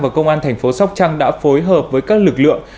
và công an thành phố sóc trăng đã phối hợp với các lực lượng